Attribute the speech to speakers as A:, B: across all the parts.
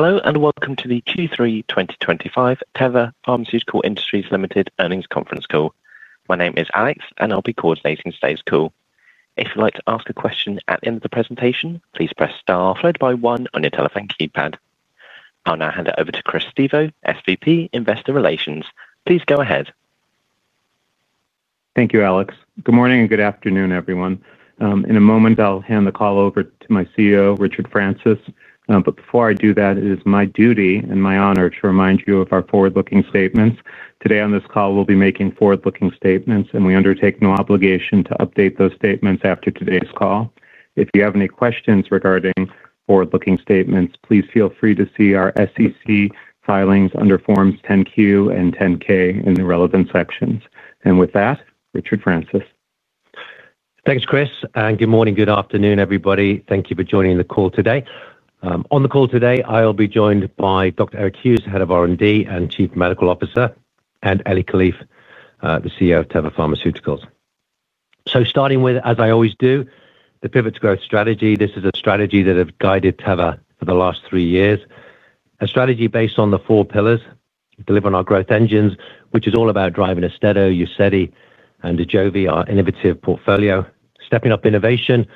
A: Hello and welcome to the Q3 2025 Teva Pharmaceutical Industries Earnings Conference Call. My name is Alex, and I'll be coordinating today's call. If you'd like to ask a question at the end of the presentation, please press star followed by one on your telephone keypad. I'll now hand it over to Chris Stevo, SVP, Investor Relations. Please go ahead.
B: Thank you, Alex. Good morning and good afternoon, everyone. In a moment, I'll hand the call over to my CEO, Richard Francis. Before I do that, it is my duty and my honor to remind you of our forward-looking statements. Today on this call, we'll be making forward-looking statements, and we undertake no obligation to update those statements after today's call. If you have any questions regarding forward-looking statements, please feel free to see our SEC filings under Forms 10-Q and 10-K in the relevant sections. With that, Richard Francis.
C: Thanks, Chris. Good morning, good afternoon, everybody. Thank you for joining the call today. On the call today, I'll be joined by Dr. Eric Hughes, Head of R&D and Chief Medical Officer, and Eli Kelif, the CEO of Teva Pharmaceutical Industries. Starting with, as I always do, the pivot to growth strategy, this is a strategy that has guided Teva for the last three years, a strategy based on the four pillars: delivering our growth engines, which is all about driving Austedo, UZEDY, and Ajovy, our innovative portfolio; stepping up innovation,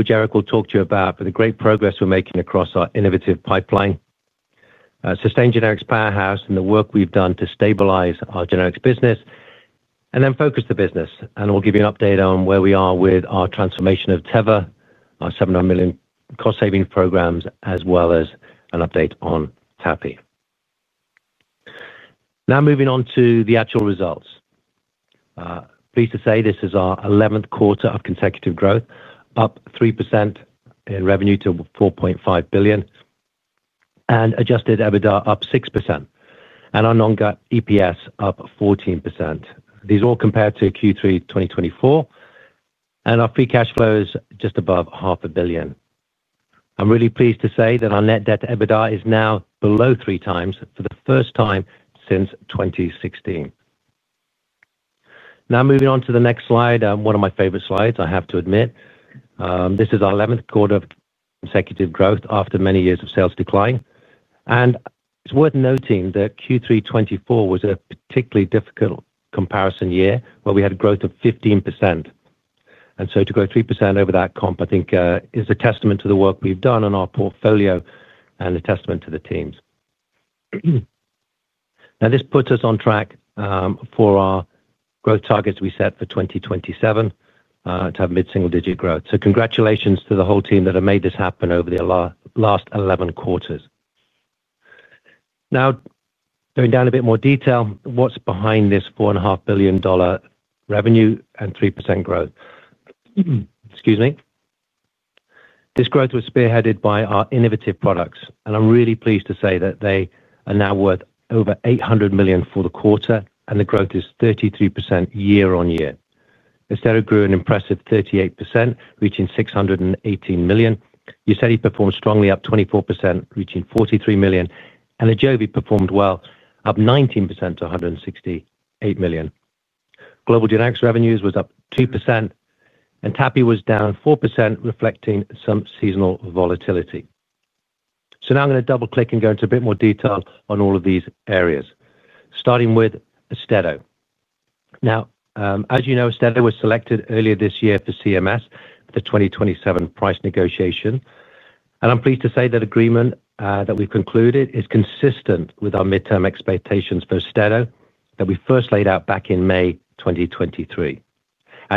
C: which Eric will talk to you about, but the great progress we're making across our innovative pipeline; sustained generics powerhouse and the work we've done to stabilize our generics business; and then focus the business. We'll give you an update on where we are with our transformation of Teva, our $700 million cost-saving programs, as well as an update on TAPI. Now moving on to the actual results. Pleased to say this is our 11th quarter of consecutive growth, up 3% in revenue to $4.5 billion. Adjusted EBITDA up 6%. Our non-GAAP EPS up 14%. These all compared to Q3 2024. Our free cash flow is just above $500,000. I'm really pleased to say that our net debt to EBITDA is now below three times for the first time since 2016. Now moving on to the next slide, one of my favorite slides, I have to admit. This is our 11th quarter of consecutive growth after many years of sales decline. It's worth noting that Q3 2024 was a particularly difficult comparison year where we had a growth of 15%. To grow 3% over that comp, I think, is a testament to the work we've done on our portfolio and a testament to the teams. This puts us on track for our growth targets we set for 2027 to have mid-single-digit growth. Congratulations to the whole team that have made this happen over the last 11 quarters. Now, going down a bit more detail, what's behind this $4.5 billion revenue and 3% growth? Excuse me. This growth was spearheaded by our innovative products. I'm really pleased to say that they are now worth over $800 million for the quarter, and the growth is 33% year on year. Austedo grew an impressive 38%, reaching $618 million. UZEDY performed strongly, up 24%, reaching $43 million. performed well, up 19% to $168 million. Global generics revenues was up 2%. TAPI was down 4%, reflecting some seasonal volatility. I am going to double-click and go into a bit more detail on all of these areas, starting with Austedo. As you know, Austedo was selected earlier this year for CMS, the 2027 price negotiation. I am pleased to say that agreement that we have concluded is consistent with our midterm expectations for Austedo that we first laid out back in May 2023.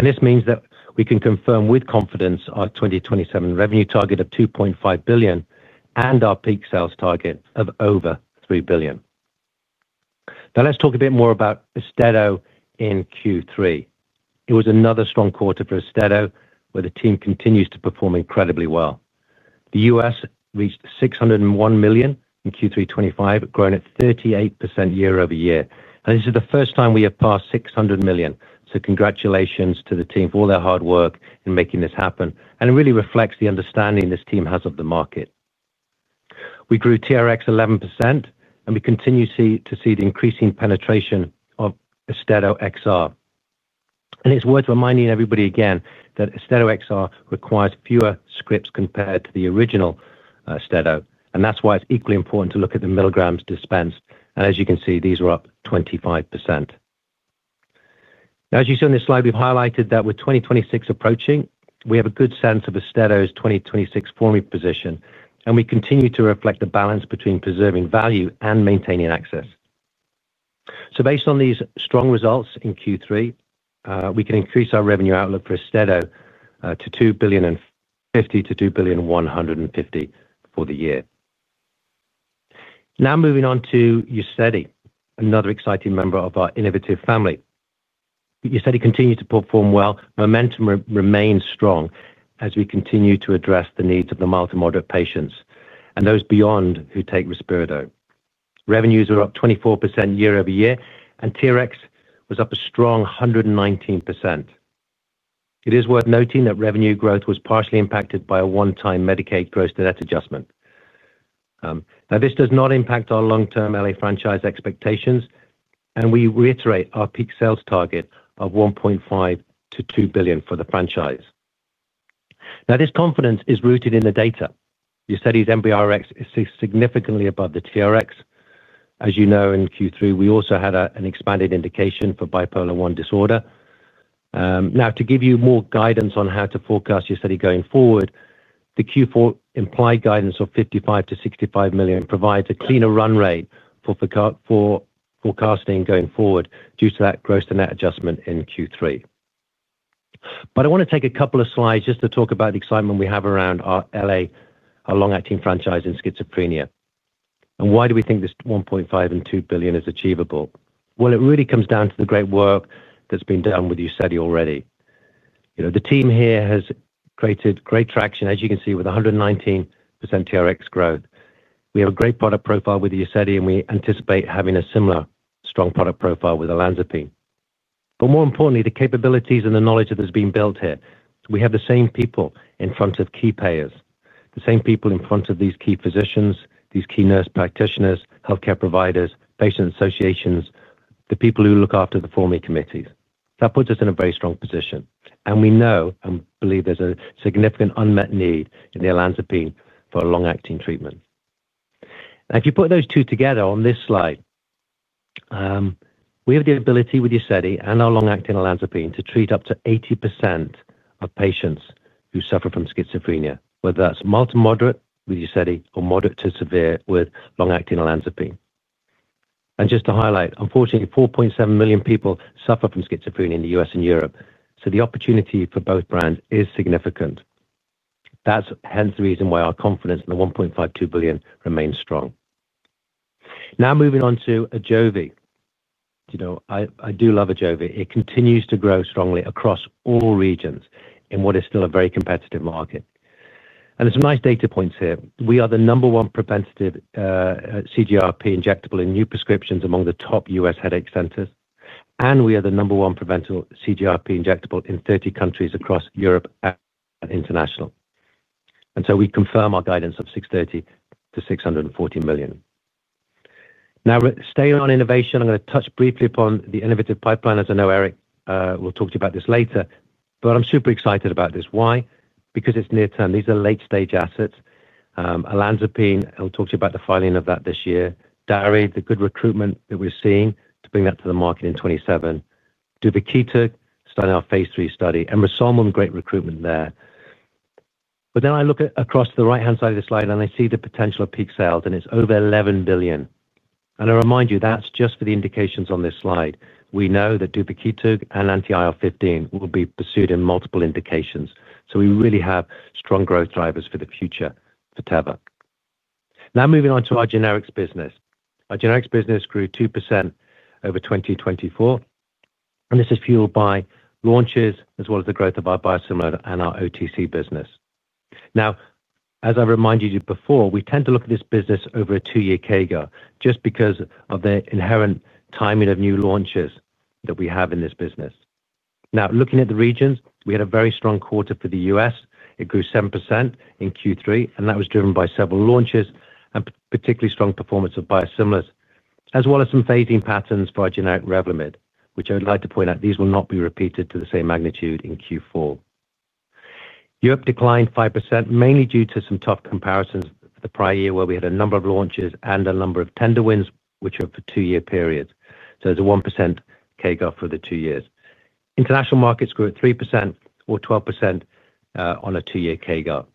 C: This means that we can confirm with confidence our 2027 revenue target of $2.5 billion and our peak sales target of over $3 billion. Now let's talk a bit more about Austedo in Q3. It was another strong quarter for Austedo, where the team continues to perform incredibly well. The U.S. reached $601 million in Q3 2025, growing at 38% Year-over-Year. This is the first time we have passed $600 million. Congratulations to the team for all their hard work in making this happen. It really reflects the understanding this team has of the market. We grew TRx 11%, and we continue to see the increasing penetration of Austedo XR. It is worth reminding everybody again that Austedo XR requires fewer scripts compared to the original Austedo. That is why it is equally important to look at the milligrams dispensed. As you can see, these were up 25%. As you see on this slide, we have highlighted that with 2026 approaching, we have a good sense of Austedo's 2026 formulary position. We continue to reflect the balance between preserving value and maintaining access. Based on these strong results in Q3, we can increase our revenue outlook for Austedo to $2.05 billion-$2.15 billion for the year. Now moving on to UZEDY, another exciting member of our innovative family. UZEDY continues to perform well. Momentum remains strong as we continue to address the needs of the mild to moderate patients and those beyond who take Risperidone. Revenues were up 24% Year-over-Year, and TRx was up a strong 119%. It is worth noting that revenue growth was partially impacted by a one-time Medicaid gross net adjustment. Now, this does not impact our long-term LAI franchise expectations, and we reiterate our peak sales target of $1.5 billion-$2 billion for the franchise. This confidence is rooted in the data. UZEDY's MBRx is significantly above the TRx. As you know, in Q3, we also had an expanded indication for bipolar I disorder. Now, to give you more guidance on how to forecast UZEDY going forward, the Q4 implied guidance of $55-$65 million provides a cleaner run rate for forecasting going forward due to that gross net adjustment in Q3. I want to take a couple of slides just to talk about the excitement we have around our LA long-acting franchise in schizophrenia. Why do we think this $1.5 billion and $2 billion is achievable? It really comes down to the great work that has been done with UZEDY already. The team here has created great traction, as you can see, with 119% TRx growth. We have a great product profile with UZEDY, and we anticipate having a similar strong product profile with Olanzapine. More importantly, the capabilities and the knowledge that has been built here. We have the same people in front of key payers, the same people in front of these key physicians, these key nurse practitioners, healthcare providers, patient associations, the people who look after the formulary committees. That puts us in a very strong position. We know and believe there's a significant unmet need in the Olanzapine for long-acting treatment. If you put those two together on this slide, we have the ability with UZEDY and our long-acting Olanzapine to treat up to 80% of patients who suffer from schizophrenia, whether that's mild to moderate with UZEDY or moderate to severe with long-acting Olanzapine. Just to highlight, unfortunately, 4.7 million people suffer from schizophrenia in the U.S. and Europe. The opportunity for both brands is significant. That's hence the reason why our confidence in the $1.5 billion-$2 billion remains strong. Now moving on to Ajovy. I do love Ajovy. It continues to grow strongly across all regions in what is still a very competitive market. There are some nice data points here. We are the number one preventative CGRP injectable in new prescriptions among the top U.S. headache centers. We are the number one preventative CGRP injectable in 30 countries across Europe and international. We confirm our guidance of $630-$640 million. Now, staying on innovation, I'm going to touch briefly upon the innovative pipeline. As I know, Eric will talk to you about this later, but I'm super excited about this. Why? Because it's near term. These are late-stage assets. Olanzapine, I'll talk to you about the filing of that this year. DARI, the good recruitment that we're seeing to bring that to the market in 2027. DuvaKine, starting our Phase III study. Emrysoma, great recruitment there. I look across the right-hand side of the slide, and I see the potential of peak sales, and it's over $11 billion. I remind you, that's just for the indications on this slide. We know that DuvaKine and Anti-IL-15 will be pursued in multiple indications. We really have strong growth drivers for the future for Teva. Now moving on to our generics business. Our generics business grew 2% over 2024. This is fueled by launches as well as the growth of our biosimilar and our OTC business. As I reminded you before, we tend to look at this business over a two-year CAGR just because of the inherent timing of new launches that we have in this business. Now, looking at the regions, we had a very strong quarter for the U.S. It grew 7% in Q3, and that was driven by several launches and particularly strong performance of Biosimilars, as well as some fading patterns for our generic Revlimid, which I would like to point out these will not be repeated to the same magnitude in Q4. Europe declined 5%, mainly due to some tough comparisons the prior year where we had a number of launches and a number of tender wins, which were for two-year periods. There is a 1% CAGR for the two years. International markets grew at 3% or 12% on a two-year CAGR.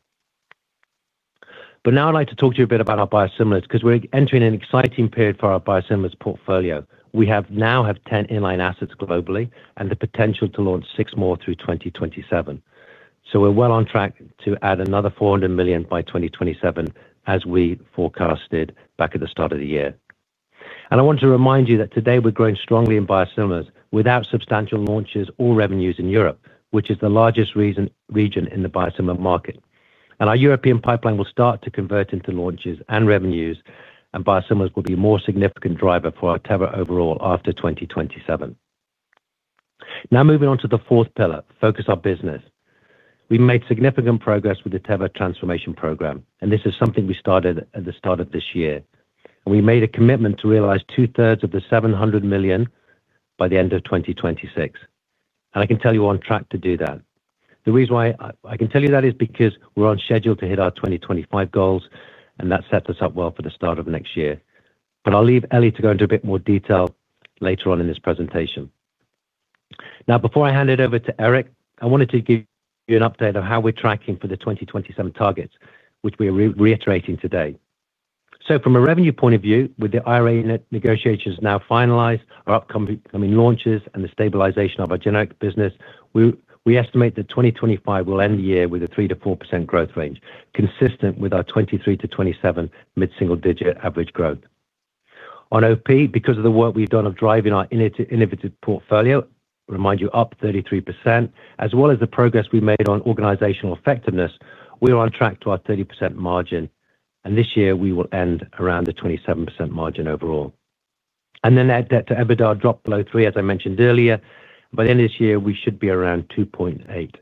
C: Now I'd like to talk to you a bit about our Biosimilars because we're entering an exciting period for our Biosimilars portfolio. We now have 10 inline assets globally and the potential to launch six more through 2027. We're well on track to add another $400 million by 2027 as we forecasted back at the start of the year. I want to remind you that today we're growing strongly in Biosimilars without substantial launches or revenues in Europe, which is the largest region in the biosimilar market. Our European pipeline will start to convert into launches and revenues, and Biosimilars will be a more significant driver for Teva overall after 2027. Now moving on to the fourth pillar, focus our business. We made significant progress with the Teva transformation program, and this is something we started at the start of this year. We made a commitment to realize two-thirds of the $700 million by the end of 2026. I can tell you we're on track to do that. The reason why I can tell you that is because we're on schedule to hit our 2025 goals, and that sets us up well for the start of next year. I'll leave Eli to go into a bit more detail later on in this presentation. Now, before I hand it over to Eric, I wanted to give you an update of how we're tracking for the 2027 targets, which we are reiterating today. From a revenue point of view, with the IRA negotiations now finalized, our upcoming launches, and the stabilization of our generic business, we estimate that 2025 will end the year with a 3%-4% growth range, consistent with our 23%-27% mid-single-digit average growth. On OP, because of the work we've done of driving our innovative portfolio, remind you, up 33%, as well as the progress we made on organizational effectiveness, we're on track to our 30% margin. This year, we will end around a 27% margin overall. Net debt to EBITDA dropped below three, as I mentioned earlier. By the end of this year, we should be around 2.8,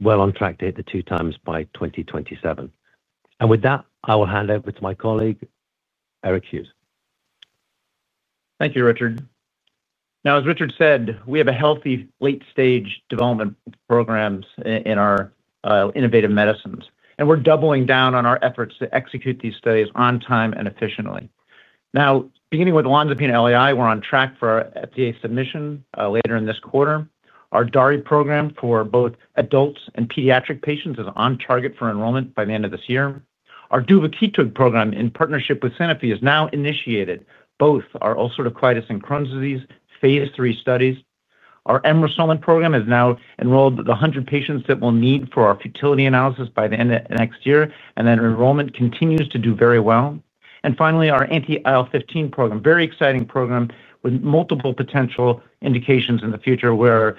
C: well on track to hit the two times by 2027. With that, I will hand over to my colleague, Eric Hughes.
D: Thank you, Richard. Now, as Richard said, we have a healthy late-stage development programs in our innovative medicines. We're doubling down on our efforts to execute these studies on time and efficiently. Now, beginning with Olanzapine LAI, we're on track for FDA submission later in this quarter. Our DARI program for both adults and pediatric patients is on target for enrollment by the end of this year. Our DuvaKine program, in partnership with Sanofi, is now initiated. Both our ulcerative colitis and Crohn's disease Phase III studies. Our Emrysoma program has now enrolled the 100 patients that we'll need for our futility analysis by the end of next year. Enrollment continues to do very well. Finally, our Anti-IL-15 program, very exciting program with multiple potential indications in the future where we'll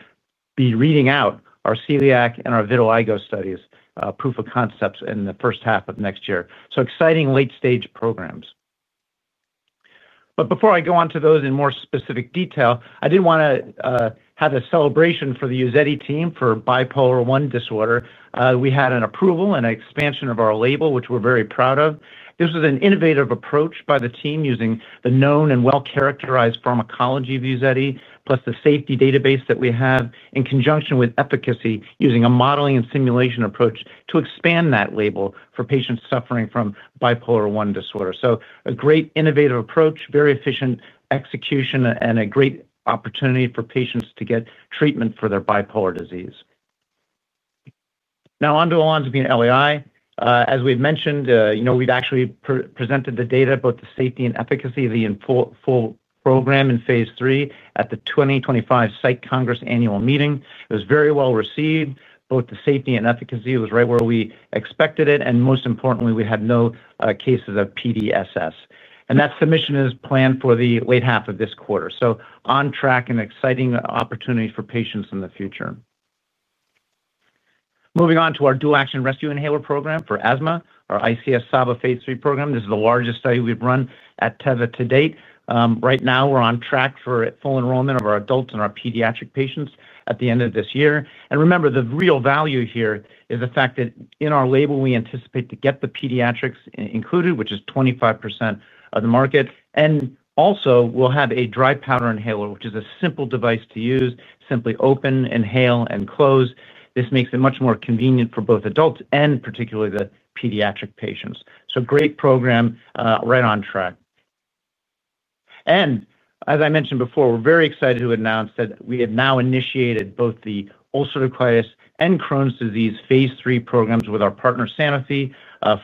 D: be reading out our celiac and our vitiligo studies, proof of concepts in the first half of next year. Exciting late-stage programs. Before I go on to those in more specific detail, I did want to have a celebration for the UZEDY team for bipolar I disorder. We had an approval and an expansion of our label, which we're very proud of. This was an innovative approach by the team using the known and well-characterized pharmacology of UZEDY, plus the safety database that we have, in conjunction with efficacy using a modeling and simulation approach to expand that label for patients suffering from bipolar I disorder. A great innovative approach, very efficient execution, and a great opportunity for patients to get treatment for their bipolar disease. Now, onto Olanzapine LAI. As we've mentioned, we've actually presented the data, both the safety and efficacy of the full program in Phase III at the 2025 Psych Congress annual meeting. It was very well received. Both the safety and efficacy was right where we expected it. Most importantly, we had no cases of PDSS. That submission is planned for the late half of this quarter. On track and exciting opportunity for patients in the future. Moving on to our dual-action rescue inhaler program for asthma, our ICS SABA Phase III program. This is the largest study we've run at Teva to date. Right now, we're on track for full enrollment of our adults and our pediatric patients at the end of this year. Remember, the real value here is the fact that in our label, we anticipate to get the pediatrics included, which is 25% of the market. Also, we'll have a dry powder inhaler, which is a simple device to use, simply open, inhale, and close. This makes it much more convenient for both adults and particularly the pediatric patients. Great program, right on track. As I mentioned before, we're very excited to announce that we have now initiated both the ulcerative colitis and Crohn's disease Phase III programs with our partner, Sanofi,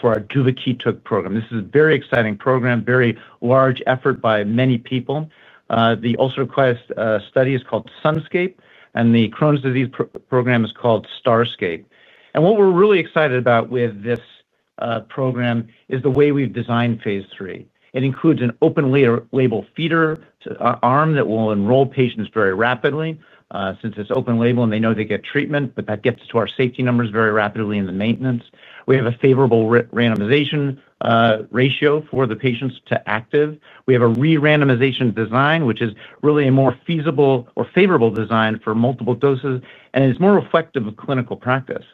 D: for our DuvaKine program. This is a very exciting program, very large effort by many people. The ulcerative colitis study is called Sunscape, and the Crohn's disease program is called Starscape. What we're really excited about with this program is the way we've designed Phase III. It includes an open label feeder arm that will enroll patients very rapidly since it's open label and they know they get treatment, but that gets to our safety numbers very rapidly in the maintenance. We have a favorable randomization ratio for the patients to active. We have a re-randomization design, which is really a more feasible or favorable design for multiple doses, and it's more reflective of clinical practice.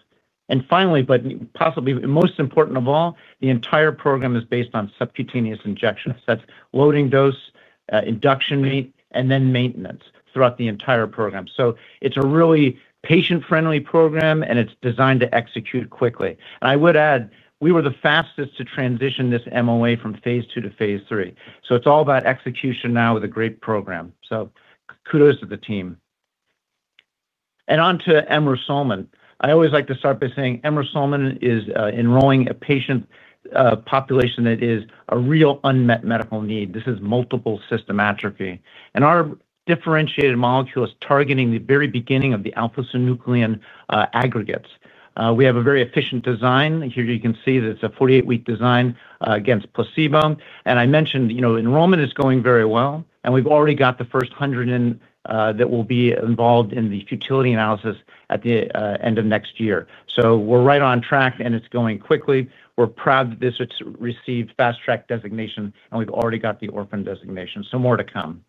D: Finally, but possibly most important of all, the entire program is based on subcutaneous injections. That is loading dose, induction rate, and then maintenance throughout the entire program. It is a really patient-friendly program, and it is designed to execute quickly. I would add, we were the fastest to transition this MOA from Phase II to Phase III. It is all about execution now with a great program. Kudos to the team. On to Emrysoma. I always like to start by saying Emrysoma is enrolling a patient population that is a real unmet medical need. This is multiple system atrophy. Our differentiated molecule is targeting the very beginning of the alpha-synuclein aggregates. We have a very efficient design. Here you can see that it is a 48-week design against placebo. I mentioned enrollment is going very well, and we've already got the first 100 that will be involved in the futility analysis at the end of next year. We are right on track, and it's going quickly. We are proud that this has received fast-track designation, and we've already got the orphan designation. More to come.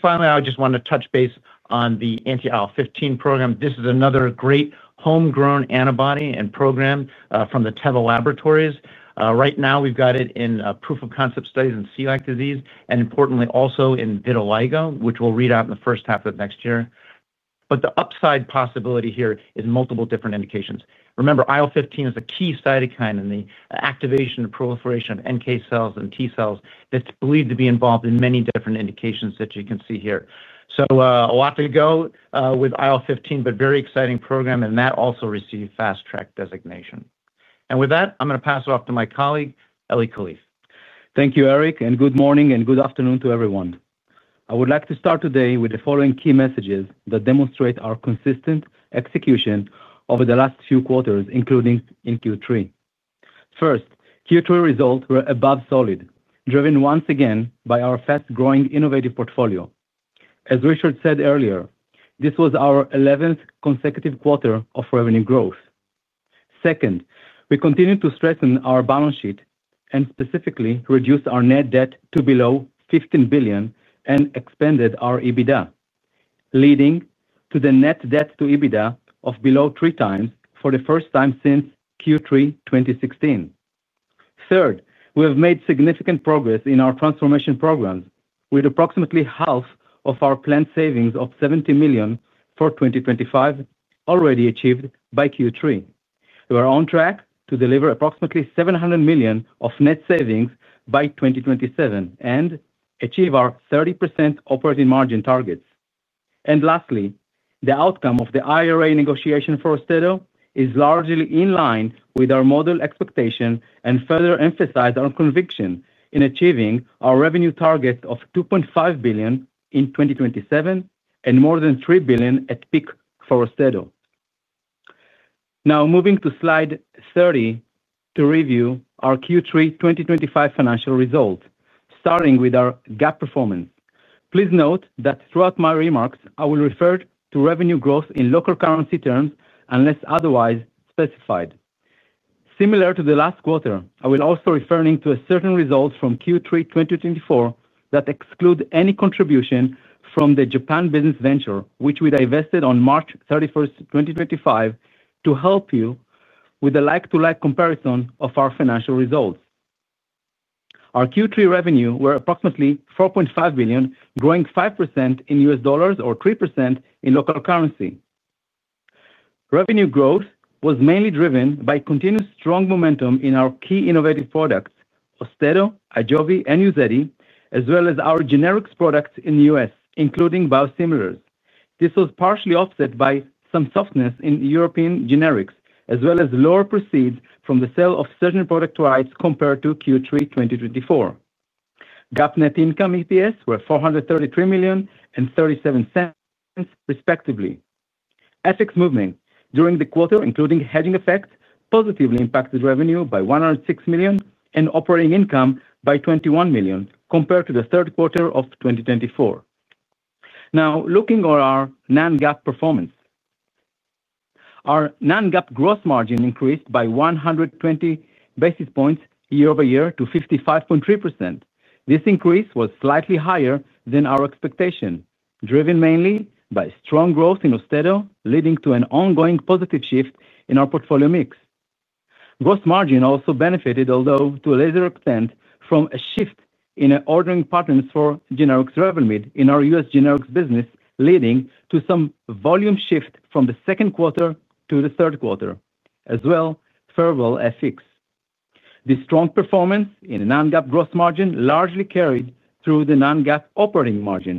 D: Finally, I just want to touch base on the Anti-IL-15 program. This is another great homegrown antibody and program from the Teva Laboratories. Right now, we've got it in proof of concept studies in celiac disease and, importantly, also in vitiligo, which we'll read out in the first half of next year. The upside possibility here is multiple different indications. Remember, IL-15 is a key cytokine in the activation and proliferation of NK cells and T cells that is believed to be involved in many different indications that you can see here. A lot to go with IL-15, but very exciting program, and that also received fast-track designation. With that, I'm going to pass it off to my colleague, Eli Kalif.
E: Thank you, Eric, and good morning and good afternoon to everyone. I would like to start today with the following key messages that demonstrate our consistent execution over the last few quarters, including in Q3. First, Q3 results were above solid, driven once again by our fast-growing innovative portfolio. As Richard said earlier, this was our 11th consecutive quarter of revenue growth. Second, we continued to strengthen our balance sheet and specifically reduced our net debt to below $15 billion and expanded our EBITDA, leading to the net debt to EBITDA of below three times for the first time since Q3 2016. Third, we have made significant progress in our transformation programs, with approximately half of our planned savings of $70 million for 2025 already achieved by Q3. We are on track to deliver approximately $700 million of net savings by 2027 and achieve our 30% operating margin targets. Lastly, the outcome of the IRA negotiation for Teva is largely in line with our model expectation and further emphasizes our conviction in achieving our revenue targets of $2.5 billion in 2027 and more than $3 billion at peak for Teva. Now, moving to slide 30 to review our Q3 2025 financial results, starting with our GAAP performance. Please note that throughout my remarks, I will refer to revenue growth in local currency terms unless otherwise specified. Similar to the last quarter, I will also be referring to certain results from Q3 2024 that exclude any contribution from the Japan business venture, which we divested on March 31, 2025, to help you with a like-to-like comparison of our financial results. Our Q3 revenue was approximately $4.5 billion, growing 5% in US dollars or 3% in local currency. Revenue growth was mainly driven by continued strong momentum in our key innovative products, Austedo, Ajovy, and UZEDY, as well as our generics products in the U.S., including Biosimilars. This was partially offset by some softness in European generics, as well as lower proceeds from the sale of certain product rights compared to Q3 2024. GAAP net income EPS was $433 million and 37 cents, respectively. FX movement during the quarter, including hedging effect, positively impacted revenue by $106 million and operating income by $21 million compared to the Third Quarter of 2024. Now, looking at our non-GAAP performance. Our non-GAAP gross margin increased by 120 basis points Year-over-Year to 55.3%. This increase was slightly higher than our expectation, driven mainly by strong growth in Austedo, leading to an ongoing positive shift in our portfolio mix. Gross margin also benefited, although to a lesser extent, from a shift in ordering patterns for generic Revlimid in our U.S. generics business, leading to some volume shift from the Second Quarter to the Third Quarter, as well as favorable FX effects. The strong performance in non-GAAP gross margin largely carried through the non-GAAP operating margin,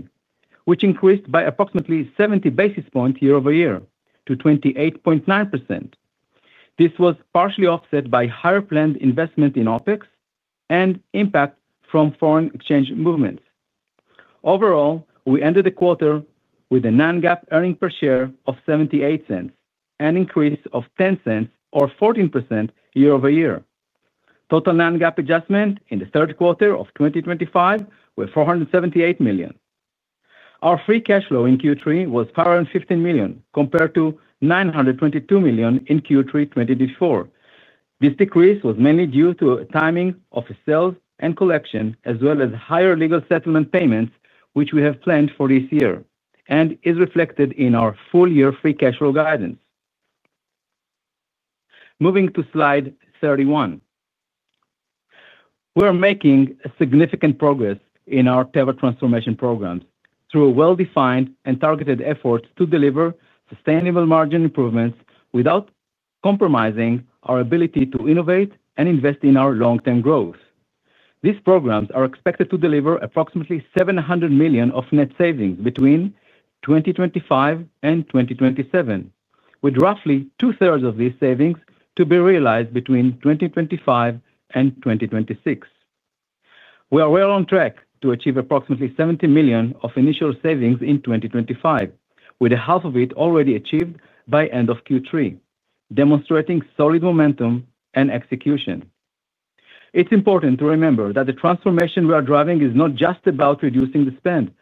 E: which increased by approximately 70 basis points Year-over-Year to 28.9%. This was partially offset by higher planned investment in OpEx and impact from foreign exchange movements. Overall, we ended the quarter with a non-GAAP earning per share of $0.78 and an increase of $0.10 or 14% Year-over-Year. Total non-GAAP adjustment in the Third Quarter of 2025 was $478 million. Our free cash flow in Q3 was $515 million compared to $922 million in Q3 2024. This decrease was mainly due to timing of sales and collection, as well as higher legal settlement payments, which we have planned for this year and is reflected in our full-year free cash flow guidance. Moving to slide 31. We are making significant progress in our Teva transformation programs through well-defined and targeted efforts to deliver sustainable margin improvements without compromising our ability to innovate and invest in our long-term growth. These programs are expected to deliver approximately $700 million of net savings between. 2025 and 2027, with roughly two-thirds of these savings to be realized between 2025 and 2026. We are well on track to achieve approximately $70 million of initial savings in 2025, with half of it already achieved by the end of Q3, demonstrating solid momentum and execution. It's important to remember that the transformation we are driving is not just about reducing the spend.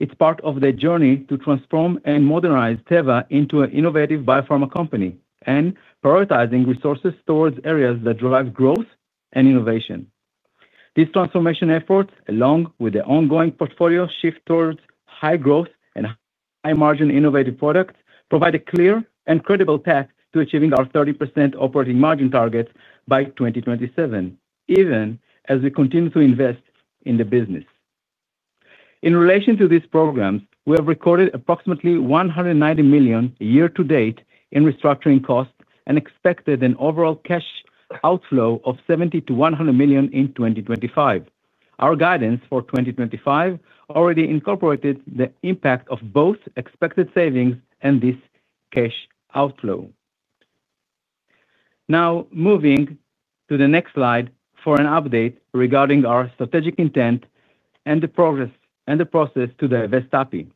E: It's part of the journey to transform and modernize Teva into an innovative biopharma company and prioritizing resources towards areas that drive growth and innovation. These transformation efforts, along with the ongoing portfolio shift towards high growth and high-margin innovative products, provide a clear and credible path to achieving our 30% operating margin targets by 2027, even as we continue to invest in the business. In relation to these programs, we have recorded approximately $190 million year-to-date in restructuring costs and expect an overall cash outflow of $70 million-$100 million in 2025. Our guidance for 2025 already incorporated the impact of both expected savings and this cash outflow. Now, moving to the next slide for an update regarding our strategic intent and the progress and the process to divest TAPI.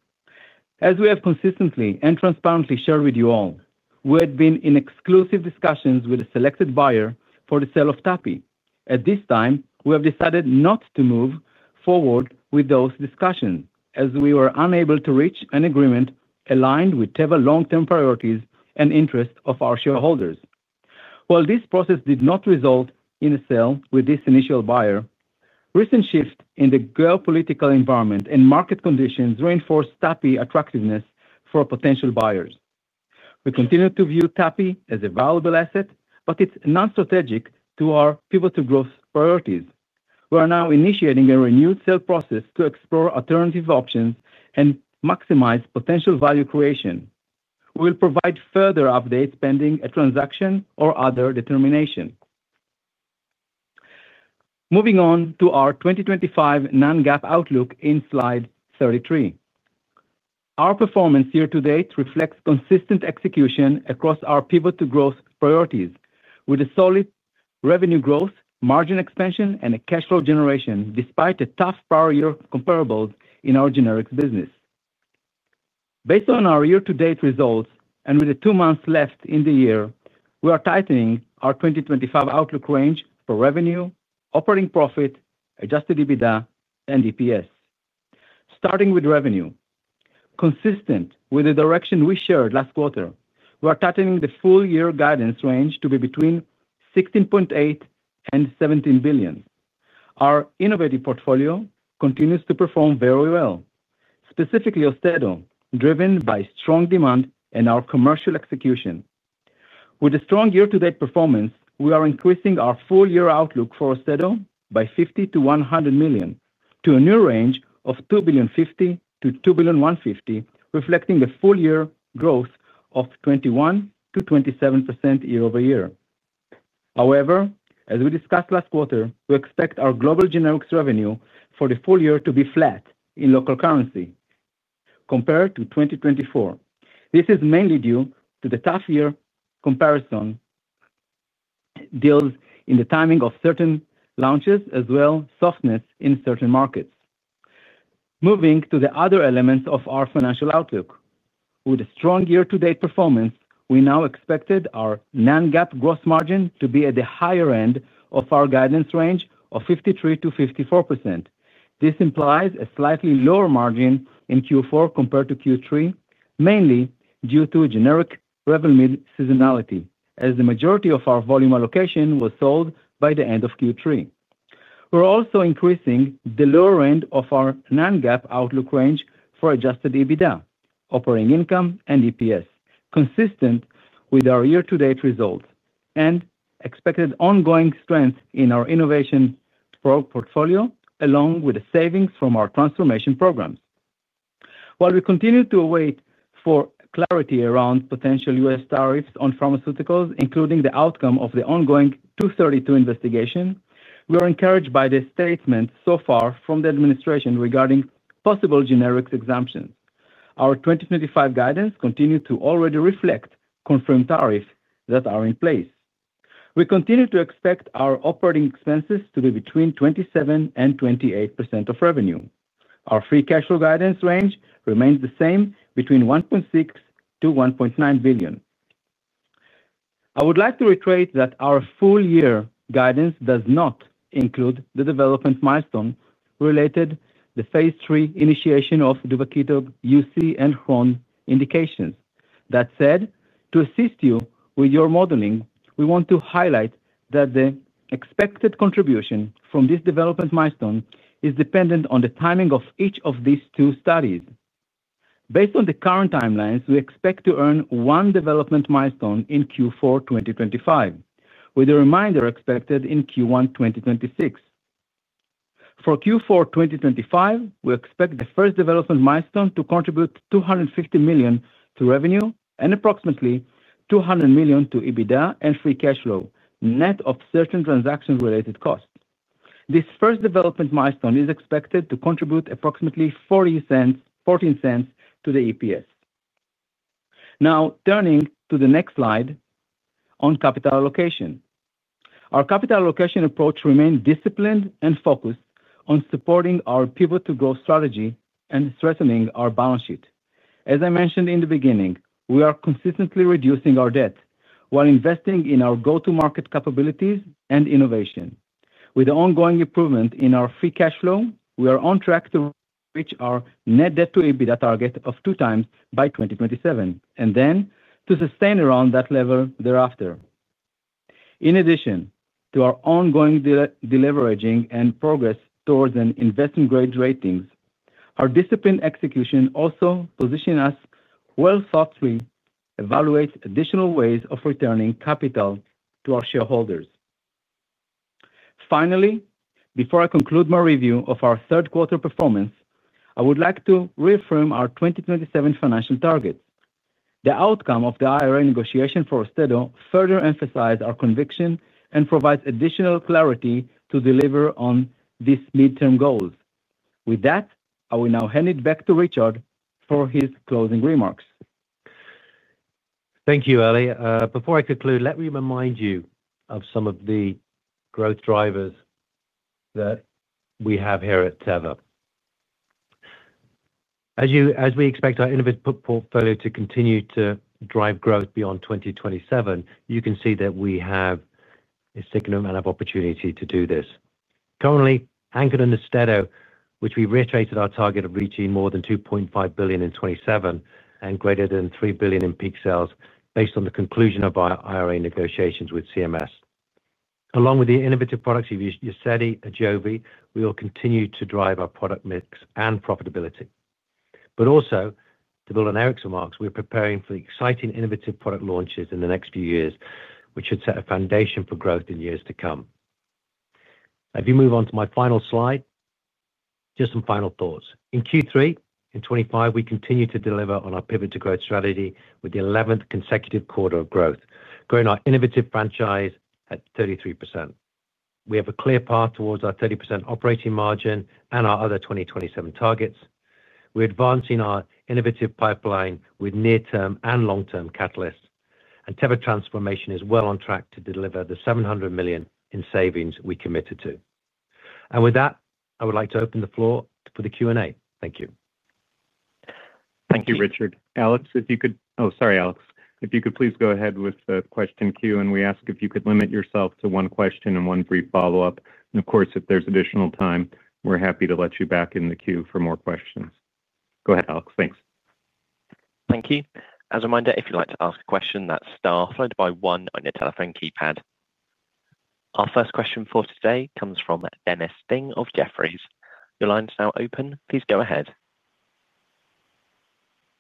E: As we have consistently and transparently shared with you all, we had been in exclusive discussions with a selected buyer for the sale of TAPI. At this time, we have decided not to move forward with those discussions as we were unable to reach an agreement Eligned with Teva's long-term priorities and interests of our shareholders. While this process did not result in a sale with this initial buyer, recent shifts in the geopolitical environment and market conditions reinforced TAPI attractiveness for potential buyers. We continue to view TAPI as a valuable asset, but it's non-strategic to our pivotal growth priorities. We are now initiating a renewed sale process to explore alternative options and maximize potential value creation. We will provide further updates pending a transaction or other determination. Moving on to our 2025 non-GAAP outlook in slide 33. Our performance year-to-date reflects consistent execution across our pivotal growth priorities, with solid revenue growth, margin expansion, and cash flow generation despite tough prior year comparables in our generics business. Based on our year-to-date results and with two months left in the year, we are tightening our 2025 outlook range for revenue, operating profit, adjusted EBITDA, and EPS. Starting with revenue, consistent with the direction we shared last quarter, we are tightening the full-year guidance range to be between $16.8 billion and $17 billion. Our innovative portfolio continues to perform very well, specifically Austedo, driven by strong demand and our commercial execution. With a strong year-to-date performance, we are increasing our full-year outlook for Austedo by $50 million-$100 million to a new range of $2.05 billion-$2.15 billion, reflecting a full-year growth of 21%-27% Year-over-Year. However, as we discussed last quarter, we expect our global generics revenue for the full year to be flat in local currency compared to 2024. This is mainly due to the tough year comparison, deals in the timing of certain launches, as well as softness in certain markets. Moving to the other elements of our financial outlook, with a strong year-to-date performance, we now expect our non-GAAP gross margin to be at the higher end of our guidance range of 53%-54%. This implies a slightly lower margin in Q4 compared to Q3, mainly due to generic Revlimid seasonality, as the majority of our volume allocation was sold by the end of Q3. We're also increasing the lower end of our non-GAAP outlook range for adjusted EBITDA, operating income, and EPS, consistent with our year-to-date results and expected ongoing strength in our innovation portfolio, along with the savings from our transformation programs. While we continue to await clarity around potential U.S. tariffs on pharmaceuticals, including the outcome of the ongoing 232 investigation, we are encouraged by the statements so far from the administration regarding possible generics exemptions. Our 2025 guidance continues to already reflect confirmed tariffs that are in place. We continue to expect our operating expenses to be between 27-28% of revenue. Our free cash flow guidance range remains the same, between $1.6-$1.9 billion. I would like to reiterate that our full-year guidance does not include the development milestone related to the Phase III initiation of DuvaKine, UC, and Crohn indications. That said, to assist you with your modeling, we want to highlight that the expected contribution from this development milestone is dependent on the timing of each of these two studies. Based on the current timelines, we expect to earn one development milestone in Q4 2025, with a remainder expected in Q1 2026. For Q4 2025, we expect the first development milestone to contribute $250 million to revenue and approximately $200 million to EBITDA and free cash flow, net of certain transaction-related costs. This first development milestone is expected to contribute approximately $0.40 to the EPS. Now, turning to the next slide. On capital allocation. Our capital allocation approach remains disciplined and focused on supporting our pivotal growth strategy and strengthening our balance sheet. As I mentioned in the beginning, we are consistently reducing our debt while investing in our go-to-market capabilities and innovation. With the ongoing improvement in our free cash flow, we are on track to reach our net debt to EBITDA target of two times by 2027, and then to sustain around that level thereafter. In addition to our ongoing deleveraging and progress towards investment-grade ratings, our disciplined execution also positions us well thoughtfully to evaluate additional ways of returning capital to our shareholders. Finally, before I conclude my review of our Third Quarter performance, I would like to reaffirm our 2027 financial targets. The outcome of the IRA negotiation for Austedo further emphasizes our conviction and provides additional clarity to deliver on these midterm goals. With that, I will now hand it back to Richard for his closing remarks.
C: Thank you, Eli. Before I conclude, let me remind you of some of the growth drivers that we have here at Teva. As we expect our innovative portfolio to continue to drive growth beyond 2027, you can see that we have a signal and have opportunity to do this. Currently, anchored in Austedo, which we reiterated our target of reaching more than $2.5 billion in 2027 and greater than $3 billion in peak sales based on the conclusion of our IRA negotiations with CMS. Along with the innovative products of UZEDY, Ajovy, we will continue to drive our product mix and profitability. Also, to build on Eric's remarks, we're preparing for the exciting innovative product launches in the next few years, which should set a foundation for growth in years to come. If you move on to my final slide, just some final thoughts. In Q3, in 2025, we continue to deliver on our pivot to growth strategy with the 11th consecutive quarter of growth, growing our innovative franchise at 33%. We have a clear path towards our 30% operating margin and our other 2027 targets. We are advancing our innovative pipeline with near-term and long-term catalysts. Teva transformation is well on track to deliver the $700 million in savings we committed to. With that, I would like to open the floor for the Q&A. Thank you.
B: Thank you, Richard. Alex, if you could—oh, sorry, Alex—if you could please go ahead with the question queue, and we ask if you could limit yourself to one question and one brief follow-up. Of course, if there is additional time, we are happy to let you back in the queue for more questions.
A: Go ahead, Alex. Thanks. Thank you. As a reminder, if you'd like to ask a question, that's star followed by one on your telephone keypad. Our first question for today comes from Dennis Ding of Jefferies. Your line is now open. Please go ahead.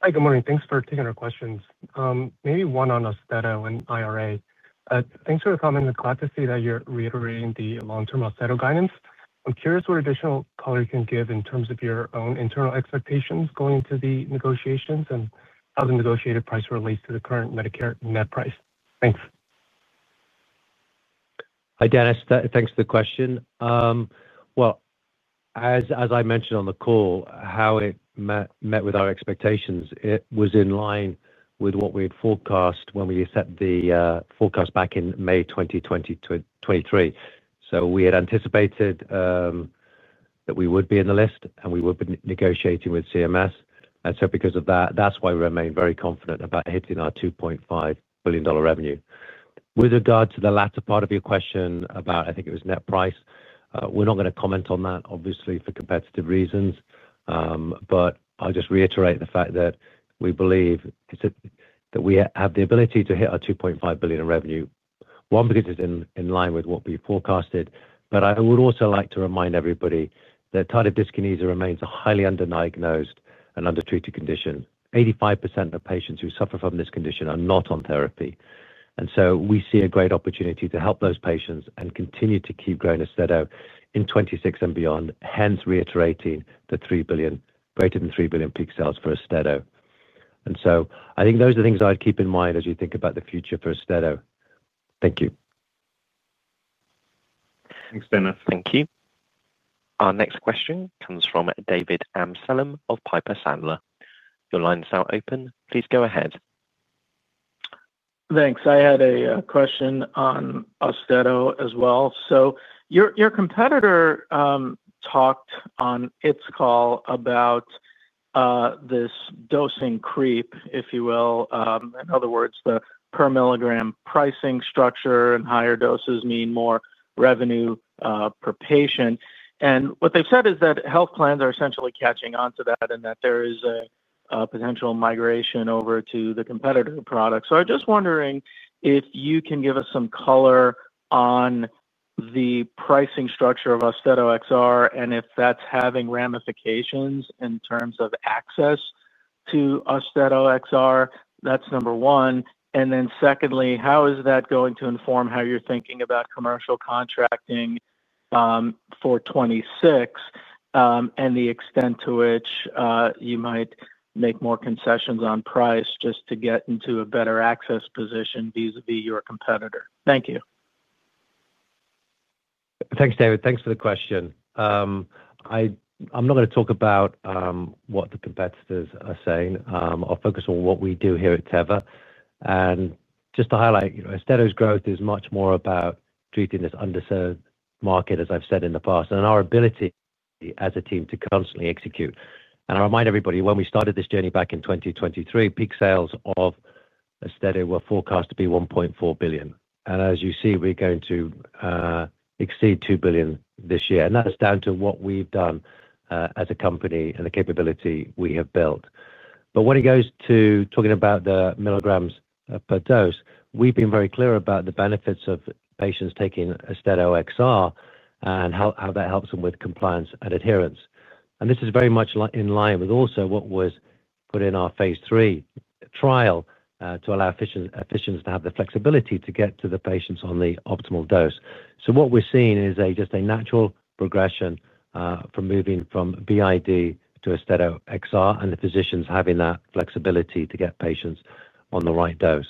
F: Hi, good morning. Thanks for taking our questions. Maybe one on Austedo and IRA. Thanks for the comment. I'm glad to see that you're reiterating the long-term Austedo guidance. I'm curious what additional color you can give in terms of your own internal expectations going into the negotiations and how the negotiated price relates to the current Medicare net price. Thanks.
C: Hi, Dennis. Thanks for the question. As I mentioned on the call, how it met with our expectations, it was in line with what we had forecast when we set the forecast back in May 2023. We had anticipated. That we would be in the list, and we would be negotiating with CMS. Because of that, that's why we remain very confident about hitting our $2.5 billion revenue. With regard to the latter part of your question about, I think it was net price, we're not going to comment on that, obviously, for competitive reasons. I'll just reiterate the fact that we believe that we have the ability to hit our $2.5 billion revenue, one because it's in line with what we forecasted. I would also like to remind everybody that tardive dyskinesia remains a highly undiagnosed and undertreated condition. 85% of patients who suffer from this condition are not on therapy. We see a great opportunity to help those patients and continue to keep growing Austedo in 2026 and beyond, hence reiterating the $3 billion, greater than $3 billion peak sales for Austedo. I think those are the things I'd keep in mind as you think about the future for Austedo. Thank you.
G: Thanks, Dennis.
A: Thank you. Our next question comes from David Amsalem of Piper Sandler. Your line is now open. Please go ahead.
H: Thanks. I had a question on Austedo as well. Your competitor talked on its call about this dosing creep, if you will. In other words, the per-milligram pricing structure and higher doses mean more revenue per patient. What they've said is that health plans are essentially catching on to that and that there is a potential migration over to the competitor product. I'm just wondering if you can give us some color on the pricing structure of Austedo XR and if that's having ramifications in terms of access to Austedo XR. That's number one. Secondly, how is that going to inform how you're thinking about commercial contracting for 2026, and the extent to which you might make more concessions on price just to get into a better access position vis-à-vis your competitor? Thank you.
C: Thanks, David. Thanks for the question. I'm not going to talk about what the competitors are saying. I'll focus on what we do here at Teva. Just to highlight, Austedo's growth is much more about treating this underserved market, as I've said in the past, and our ability as a team to constantly execute. I remind everybody, when we started this journey back in 2023, peak sales of. Austedo were forecast to be $1.4 billion. As you see, we're going to exceed $2 billion this year. That's down to what we've done as a company and the capability we have built. When it goes to talking about the milligrams per dose, we've been very clear about the benefits of patients taking Austedo XR and how that helps them with compliance and adherence. This is very much in line with also what was put in our Phase III trial to allow physicians to have the flexibility to get to the patients on the optimal dose. What we're seeing is just a natural progression from moving from BID to Austedo XR and the physicians having that flexibility to get patients on the right dose.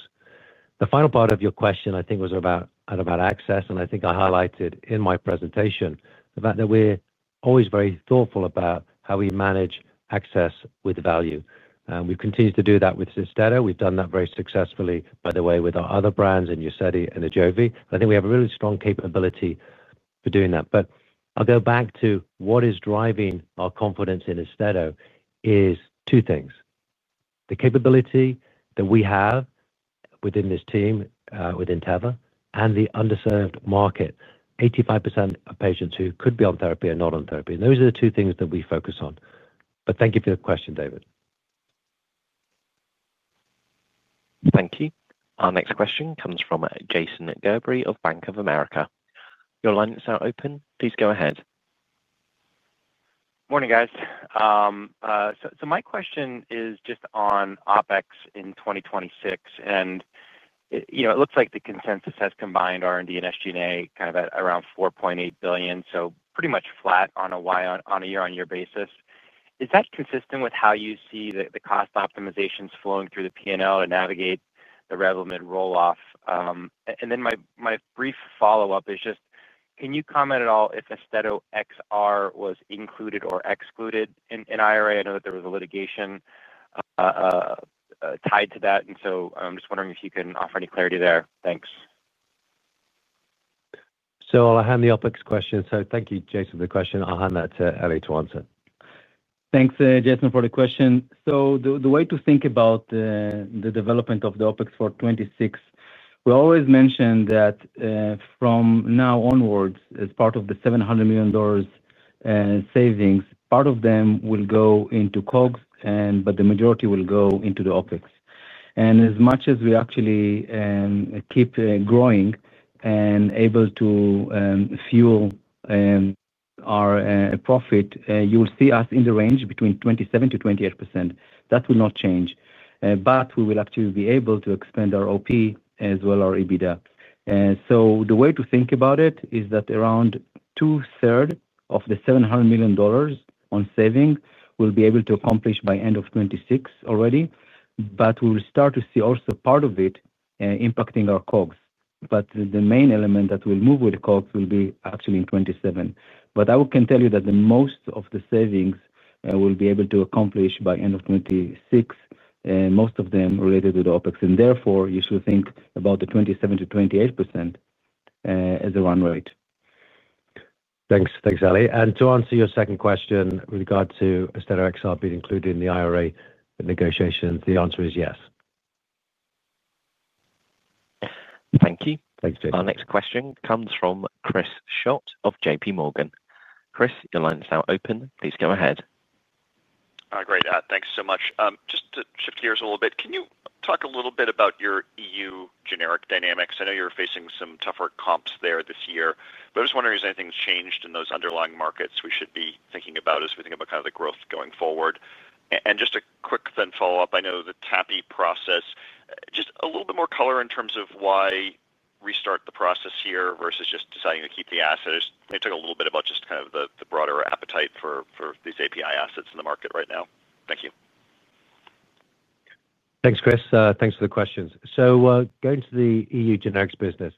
C: The final part of your question, I think, was about access. I think I highlighted in my presentation the fact that we're always very thoughtful about how we manage access with value. We've continued to do that with Austedo. We've done that very successfully, by the way, with our other brands in UZEDY and Ajovy. I think we have a really strong capability for doing that. I'll go back to what is driving our confidence in Austedo is two things. The capability that we have within this team, within Teva, and the underserved market, 85% of patients who could be on therapy are not on therapy. Those are the two things that we focus on. Thank you for your question, David.
A: Thank you. Our next question comes from Jason Gerberry of Bank of America. Your line is now open. Please go ahead.
I: Morning, guys. My question is just on OpEx in 2026. It looks like the consensus has combined R&D and SG&A kind of at around $4.8 billion, so pretty much flat on a year-on-year basis. Is that consistent with how you see the cost optimizations flowing through the P&L to navigate the relevant rolloff? My brief follow-up is just, can you comment at all if Austedo XR was included or excluded in IRA? I know that there was a litigation tied to that. I'm just wondering if you can offer any clarity there. Thanks.
C: I'll hand the OpEx question. Thank you, Jason, for the question. I'll hand that to Eli to answer.
E: Thanks, Jason, for the question. The way to think about the development of the OpEx for 2026, we always mentioned that from now onwards, as part of the $700 million. Savings, part of them will go into COGS, but the majority will go into the OpEx. As much as we actually keep growing and are able to fuel our profit, you will see us in the range between 27%-28%. That will not change. We will actually be able to expand our OpEx as well as our EBITDA. The way to think about it is that around two-thirds of the $700 million in savings will be able to accomplish by the end of 2026 already. We will start to see also part of it impacting our COGS. The main element that will move with COGS will be actually in 2027. I can tell you that most of the savings will be able to accomplish by the end of 2026, most of them related to the OpEx. And therefore, you should think about the 27%-28% as a run rate.
C: Thanks, Eli. And to answer your second question with regard to whether Austedo XR will be included in the IRA negotiations, the answer is yes.
A: Thank you. Thanks, Jason. Our next question comes from Chris Schott of JPMorgan. Chris, your line is now open. Please go ahead.
J: Great. Thanks so much. Just to shift gears a little bit, can you talk a little bit about your EU generic dynamics? I know you're facing some tougher comps there this year. I was just wondering if anything's changed in those underlying markets we should be thinking about as we think about kind of the growth going forward. And just a quick then follow-up. I know the TAPI process. Just a little bit more color in terms of why restart the process here versus just deciding to keep the assets. Maybe talk a little bit about just kind of the broader appetite for these API assets in the market right now. Thank you.
C: Thanks, Chris. Thanks for the questions. Going to the EU generics business.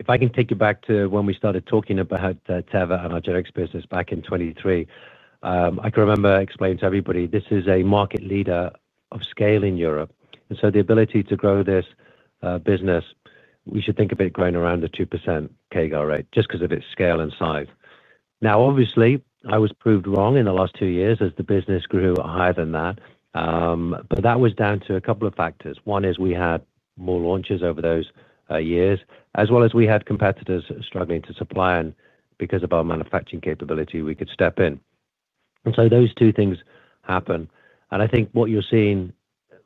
C: If I can take you back to when we started talking about Teva and our generics business back in 2023, I can remember explaining to everybody this is a market leader of scale in Europe. The ability to grow this business, we should think of it growing around the 2% CAGR rate, just because of its scale and size. Obviously, I was proved wrong in the last two years as the business grew higher than that. That was down to a couple of factors. One is we had more launches over those years, as well as we had competitors struggling to supply. Because of our manufacturing capability, we could step in. Those two things happened. I think what you're seeing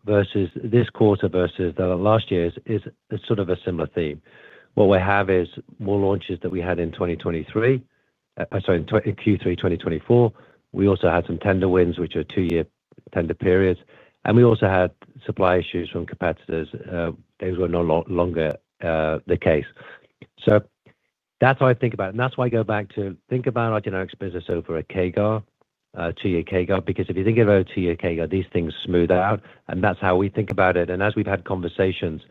C: this quarter versus the last years is sort of a similar theme. What we have is more launches that we had in 2023. Sorry, in Q3 2024. We also had some tender wins, which are two-year tender periods. We also had supply issues from competitors. Those were no longer the case. That's how I think about it. That's why I go back to think about our generics business over a CAGR, a two-year CAGR, because if you think about a two-year CAGR, these things smooth out. That's how we think about it. As we've had conversations,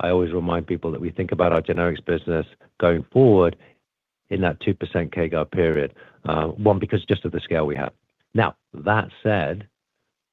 C: I always remind people that we think about our generics business going forward in that 2% CAGR period. One, because just of the scale we have. That said,